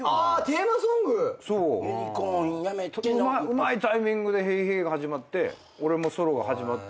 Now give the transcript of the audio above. うまいタイミングで『ＨＥＹ！ＨＥＹ！』が始まって俺もソロが始まって。